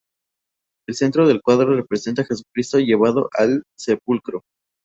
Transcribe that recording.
El centro del cuadro representa a Jesucristo llevado al sepulcro.